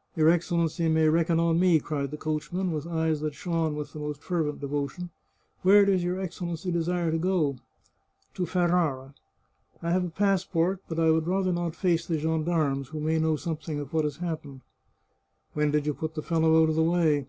" Your Excellency may reckon on me," cried the coach man, with eyes that shone with the most fervent devotion. " Where does your Excellency desire to gO ?"" To Ferrara. I have a passport, but I would rather not face the gendarmes, who may know something of what has happened." " When did you put the fellow out of the way